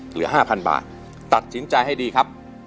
เหลือห้าพันบาทตัดจินจ่ายให้ดีครับ